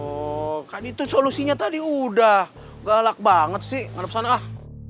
oh kan itu solusinya tadi udah galak banget sih anggap sana ah